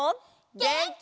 げんき！